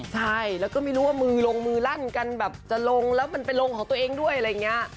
ใช่แล้วก็ไม่รู้ว่ามือลงมือลั่นกันแบบจะลงแล้วมันไปลงของตัวเองด้วยอะไรอย่างนี้